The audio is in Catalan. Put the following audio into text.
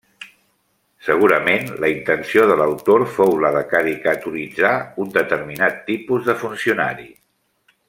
Segurament la intenció de l'autor fou la de caricaturitzar un determinat tipus de funcionari.